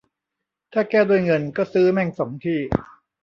ถ้าแก้ด้วยเงินก็ซื้อแม่มสองที่